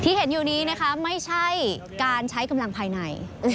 ที่เห็นในนี้ไม่ใช่กำลังภายใน